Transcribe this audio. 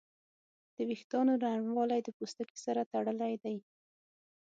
د وېښتیانو نرموالی د پوستکي سره تړلی دی.